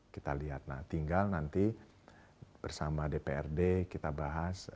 kita lihat nah tinggal nanti bersama dprd kita bahas